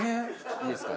いいですか？